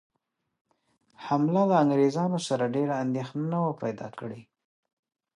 حمله له انګرېزانو سره ډېره اندېښنه نه وه پیدا کړې.